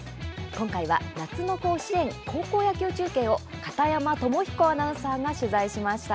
今回は夏の甲子園、高校野球中継を片山智彦アナウンサーが取材しました。